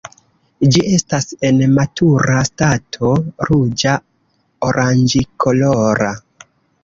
Ĝi estas en matura stato ruĝa-oranĝkolora.